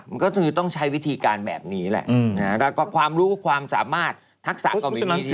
มันก็คือต้องใช้วิธีการแบบนี้แหละแล้วก็ความรู้ความสามารถทักษะก็มีวิธี